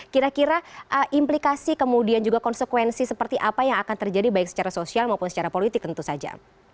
kira kira implikasi kemudian juga konsekuensi seperti apa yang akan terjadi baik secara sosial maupun secara politik tentu saja